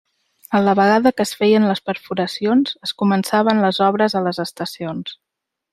A la vegada que es feien les perforacions es començaven les obres a les estacions.